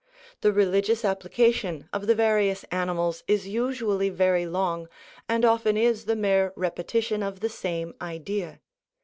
The religious application of the various animals is usually very long, and often is the mere repetition of the same idea.